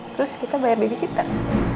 terus kita bayar babysitter